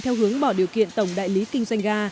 theo hướng bỏ điều kiện tổng đại lý kinh doanh ga